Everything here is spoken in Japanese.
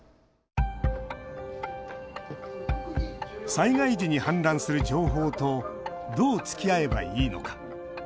災害時に氾濫する情報とどうつきあえばいいのか。